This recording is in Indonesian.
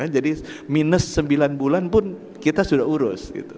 jadi minus sembilan bulan pun kita sudah urus